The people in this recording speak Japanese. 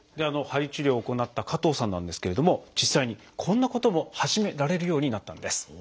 鍼治療を行った加藤さんなんですけれども実際にこんなことも始められるようになったんです。